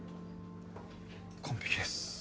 完璧です。